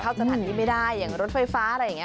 สถานที่ไม่ได้อย่างรถไฟฟ้าอะไรอย่างนี้